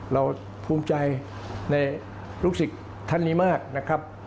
เราภูมิใจในลูกศิษย์ท่านนี้มากนะครับ